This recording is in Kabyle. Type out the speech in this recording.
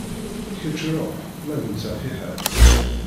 Kečč ṛuḥ ma d netta fiḥel.